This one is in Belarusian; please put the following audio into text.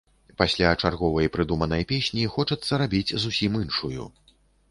Пасля чарговай прыдуманай песні хочацца рабіць зусім іншую.